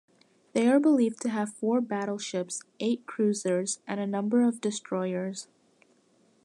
They are believed to have four battleships, eight cruisers, and a number of destroyers.